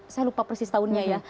saya lupa persis tahunnya ya